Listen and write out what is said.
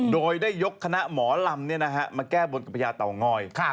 โดยได้ยกคณะหมอลำมาแก้บนกับพญาเต่างอย